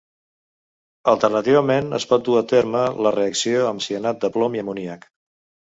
Alternativament, es pot dura a terme la reacció amb cianat de plom i amoníac.